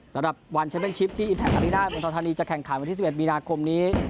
สำหรับวันที่อินทรทานีจะแข่งข่าววันที่สิบเอ็ดมีนาคมนี้